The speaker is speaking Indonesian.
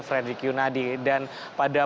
frederick yunadini dan pada